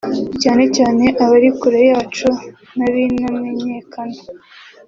cyane cyane abari kure yacu n’abintamenyekana